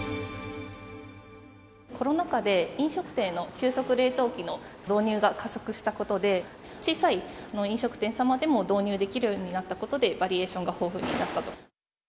コロナ禍で、飲食店の急速冷凍機の導入が加速したことで、小さい飲食店様でも導入できるようになったことで、バリエーションが豊富になったと。